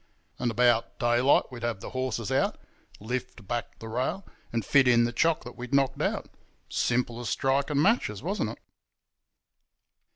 And about daylight we'd have the horses out, lift back the rail, and fit in the chock that we'd knocked out. Simple as striking matches, wasn't it?